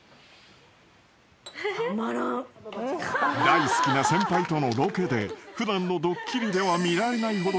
［大好きな先輩とのロケで普段のドッキリでは見られないほど上機嫌］